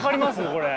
これ。